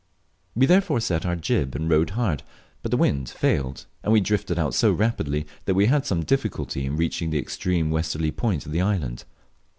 We therefore sot our jib and rowed hard; but the wind failed, and we drifted out so rapidly that we had some difficulty in reaching the extreme westerly point of the island.